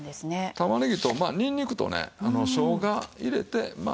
玉ねぎとにんにくとねしょうが入れてまあ